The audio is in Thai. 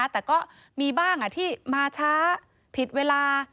แต่ก็มีบ้างที่มาช้าผิดเวลา